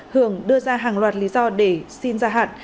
hường đưa ra hàng loạt lý do để xin ra hạn